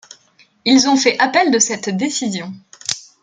Ils ont fait appel de cette décision.